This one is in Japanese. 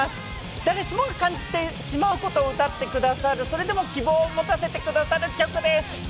誰しもが感じてしまうことを歌ってくださる、希望を持たせてくださる曲です。